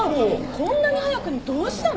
こんなに早くにどうしたの？